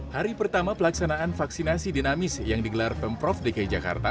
hari pertama pelaksanaan vaksinasi dinamis yang digelar pemprov dki jakarta